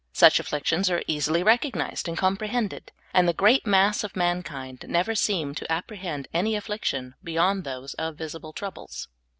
Such afflictions are easily recog nized and comprehended, and the great mass of man kind never seem to apprehend any affliction beyond those of visible troubles.